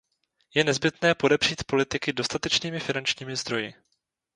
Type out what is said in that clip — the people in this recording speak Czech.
Je nezbytné podepřít politiky dostatečnými finančními zdroji.